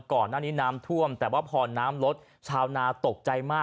ก่อนหน้านี้น้ำท่วมแต่ว่าพอน้ำลดชาวนาตกใจมาก